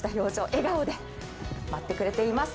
笑顔で待ってくれています。